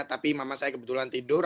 tapi mama saya kebetulan tidur